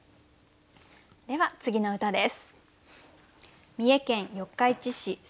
では次の歌です。